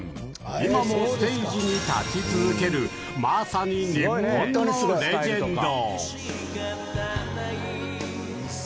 今もステージに立ち続ける、まさに日本のレジェンド。